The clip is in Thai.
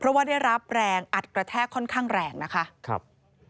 เพราะว่าได้รับแรงอัดกระแทกค่อนข้างแรงนะคะครับ